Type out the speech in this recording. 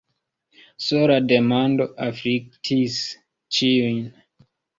Sola demando afliktis ĉiujn.